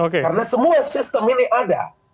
karena semua sistem ini ada